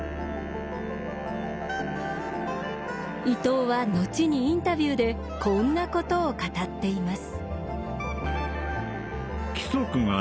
伊藤は後にインタビューでこんなことを語っています。